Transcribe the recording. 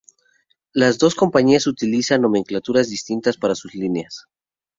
Las dos compañías utilizan nomenclaturas distintas para sus líneas.